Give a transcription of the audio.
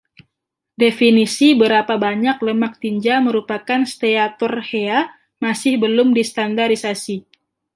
Definisi berapa banyak lemak tinja merupakan steatorrhea masih belum distandarisasi.